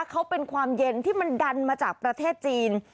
เขาเป็นความเย็นที่มันดันมาจากประเทศจีน